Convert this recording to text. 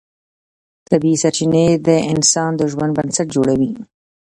طبیعي سرچینې د انسان د ژوند بنسټ جوړوي